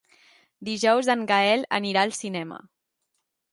Dijous en Gaël anirà al cinema.